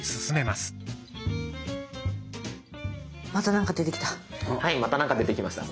また何か出てきた。